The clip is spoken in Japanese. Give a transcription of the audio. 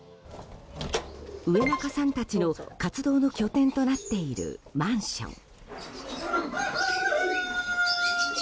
上中さんたちの活動の拠点となっているマンション。